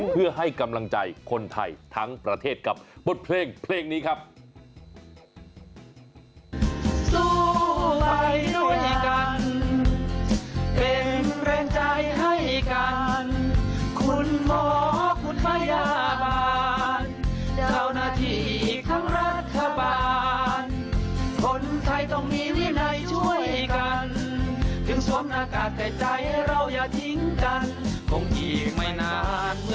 เพื่อให้กำลังใจคนไทยทั้งประเทศกับบทเพลงเพลงนี้ครับ